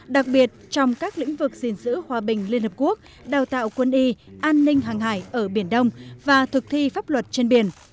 đặc biệt trong các lĩnh vực gìn giữ hòa bình liên hợp quốc đào tạo quân y an ninh hàng hải ở biển đông và thực thi pháp luật trên biển